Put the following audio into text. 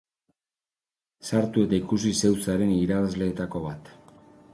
Sartu eta ikusi zeu zaren irabazleetako bat!